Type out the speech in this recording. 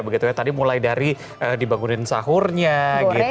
begitu ya tadi mulai dari dibangunin sahurnya gitu